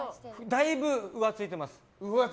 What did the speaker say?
だいぶ浮ついてます。